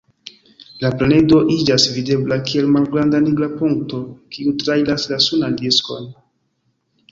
La planedo iĝas videbla kiel malgranda nigra punkto, kiu trairas la sunan diskon.